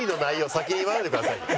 先に言わないでくださいよ。